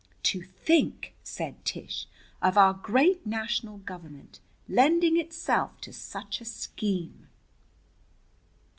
"To think," said Tish, "of our great National Government lending itself to such a scheme!"